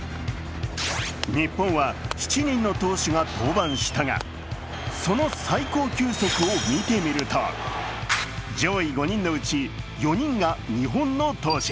日本は７人の投手が登板したがその最高球速を見てみると上位５人のうち４人が日本の投手。